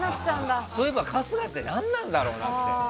そういえば春日って何なんだろうなって。